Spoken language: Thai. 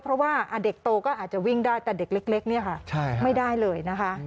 เพราะว่าเด็กโตก็อาจจะวิ่งได้แต่เด็กเล็กเนี่ยค่ะไม่ได้เลยนะคะ